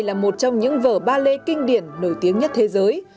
là một trong những vở ballet kinh điển nổi tiếng nhất thế giới